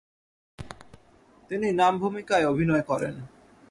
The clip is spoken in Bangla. তিনি নাম ভূমিকায় অভিনয় করেন।